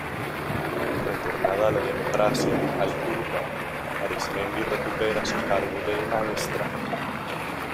Retornada la democracia al Uruguay, Arismendi recupera su cargo de maestra.